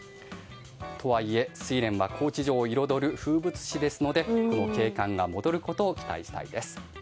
とはいえスイレンは高知城を彩る風物詩ですのでこの景観が戻ることを期待したいです。